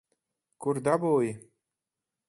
Kur dabūji?